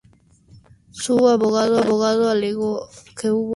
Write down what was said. Su abogado alegó que hubo un error de transcripción.